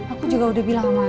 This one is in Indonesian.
aku juga udah bilang sama